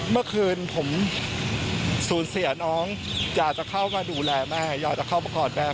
เมื่อคืนผมสูญเสียน้องอยากจะเข้ามาดูแลแม่อยากจะเข้ามากอดแม่